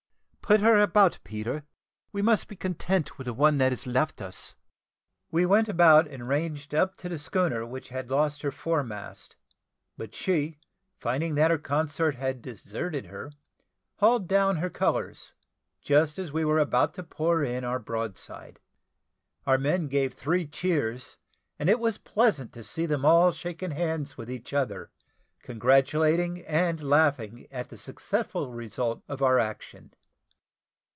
Put her about, Peter, we must be content with the one that is left us." We went about and ranged up to the schooner which had lost her foremast; but she, finding that her consort had deserted her, hauled down her colours just as we were about to pour in our broadside. Our men gave three cheers; and it was pleasant to see them all shaking hands with each other, congratulating and laughing at the successful result of our action.